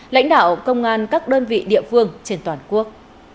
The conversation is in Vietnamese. lãnh đạo công an các đơn vị địa phương trên toàn quốc